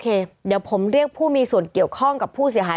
เดี๋ยวผมเรียกผู้มีส่วนเกี่ยวข้องกับผู้เสียหาย